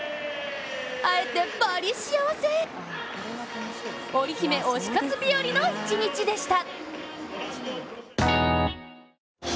会えて、バリ幸せ！オリ姫推し活日よりの一日でした。